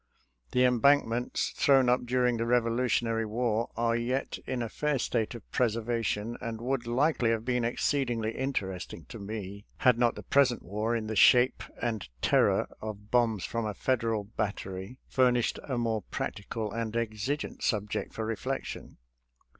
The embankments thrown up during the Kevolutionary War are yet in a fair state of preservation, and would likely have been exceedingly interesting to me had not the present war — in the shape and terror of bombs from a Federal battery — furnished a more practical and exigent subject for reflection.